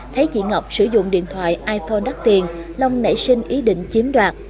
thấy chị ngọc sử dụng điện thoại iphone đắt tiền long nảy sinh ý định chiếm đoạt